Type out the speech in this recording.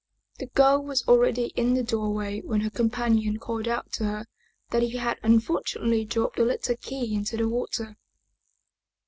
The girl was already in the door way when her companion called out to her that he had un fortunately dropped the little key into the water.